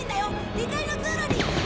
２階の通路に。